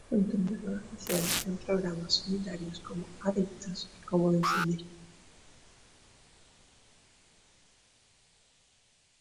Actuación especial en programas unitarios como ¨Adictos¨ y ¨Como dice el dicho¨.